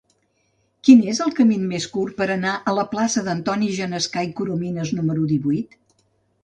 Quin és el camí més curt per anar a la plaça d'Antoni Genescà i Corominas número divuit?